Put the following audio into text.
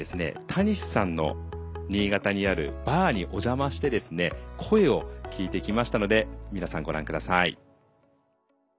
たにしさんの新潟にあるバーにお邪魔して声を聞いてきましたので皆さんご覧下さい。